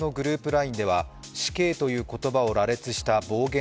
ＬＩＮＥでは「死刑」という言葉を羅列した暴言